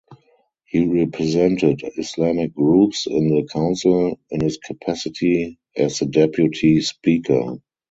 He represented Islamic groups in the council in his capacity as the deputy speaker.